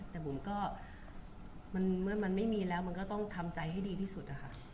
แต่มันมันมันไม่มีแล้วต้องทำใจให้ดีที่สุดนะคะ